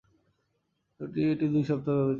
এটি দুই সপ্তাহ ব্যাপী চলে।